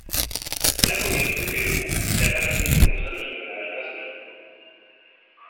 La commune de Pelvoux n'a pas signé de contrat de jumelage, à ce jour.